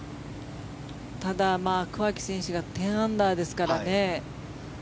ただ、桑木選手が１０アンダーですからね。